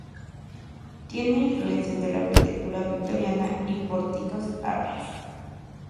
Tiene influencias de la arquitectura victoriana y pórticos árabes.